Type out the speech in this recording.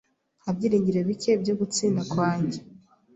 Nta byiringiro bike byo gutsinda kwanjye.